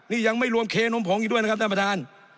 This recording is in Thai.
นี่ยังไม่รวมเคนมผงอยู่ด้วยนะครับท่านประธาน